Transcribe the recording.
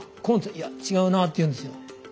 「いや違うな」って言うんですよ。